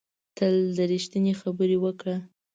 تل ریښتینې خبرې وکړه